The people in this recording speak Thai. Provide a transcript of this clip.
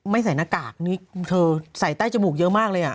ใส่หน้ากากนี่เธอใส่ใต้จมูกเยอะมากเลยอ่ะ